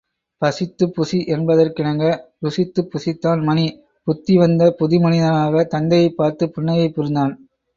பசித்துப் புசி என்பதற்கிணங்க, ருசித்துப் புசித்தான் மணி புத்தி வந்த புது மனிதனாக தந்தையைப் பார்த்து புன்னகை புரிந்தான்.